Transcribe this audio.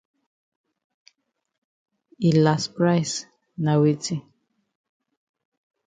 Yi las price na weti?